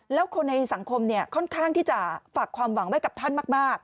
แล้วคนในสังคมค่อนข้างที่จะฝากความหวังไว้กับท่านมาก